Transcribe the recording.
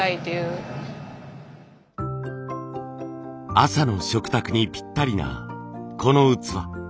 朝の食卓にぴったりなこの器。